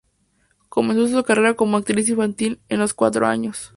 Comenzó su carrera como actriz infantil a los cuatro años.